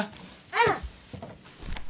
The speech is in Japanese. うん。